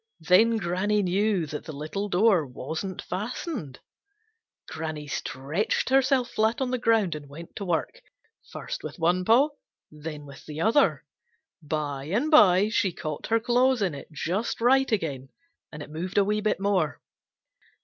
Then Granny knew that the little door wasn't fastened. Granny stretched herself flat on the ground and went to work, first with one paw, then with the other. By and by she caught her claws in it just right again, and it moved a wee bit more.